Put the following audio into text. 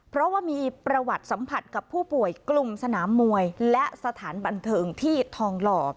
เพราะว่ามีประวัติสัมผัสกับผู้ป่วยกลุ่มสนามมวยและสถานบันเทิงที่ทองหล่อ